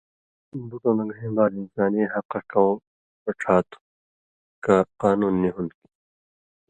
بُٹؤں نہ گَھیں بال انسانی حقہ کؤں رڇھا تُھو کہ قانون نی ہُوۡن٘د کھیں۔